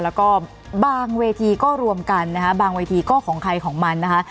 แล้วก็บางเวทีก็รวมกันนะคะบางเวทีก็ของใครของมันนะคะ